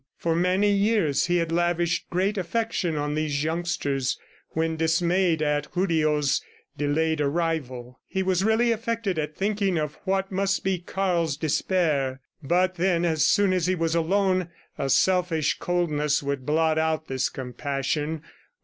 For many years, he had lavished great affection on these youngsters, when dismayed at Julio's delayed arrival. He was really affected at thinking of what must be Karl's despair. But then, as soon as he was alone, a selfish coldness would blot out this compassion.